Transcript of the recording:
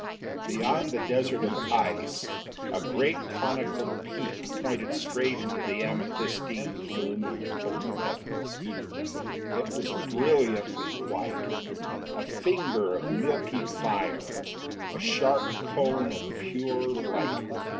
Beyond the desert of ice, a great conical peak pointed straight into the amethystine gloom of the polar heavens. It was brilliantly white, a finger of milky fire, a sharp cone of pure light.